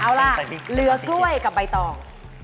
เอาล่ะเหลือกล้วยกับใบตอง